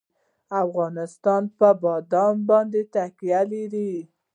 افغانستان په بادام باندې تکیه لري.